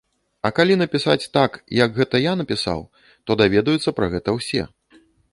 А калі напісаць так, як гэта я напісаў, то даведаюцца пра гэта ўсе.